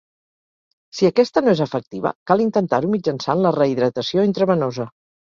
Si aquesta no és efectiva, cal intentar-ho mitjançant la rehidratació intravenosa.